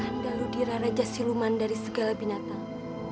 anda ludira raja siluman dari segala binatang